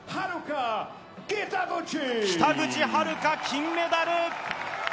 北口榛花、金メダル。